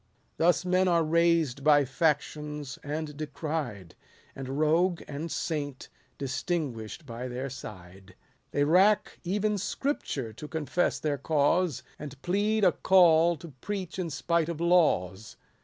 Thus men are raised by factions, and decried ; And rogue and saint distinguish'd by their side. They rack even Scripture to confess their cause, And plead a call to preach in spite of laws.